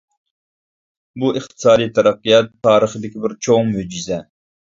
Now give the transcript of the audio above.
بۇ ئىقتىسادى تەرەققىيات تارىخىدىكى بىر چوڭ مۆجىزە.